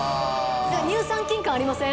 乳酸菌感ありません？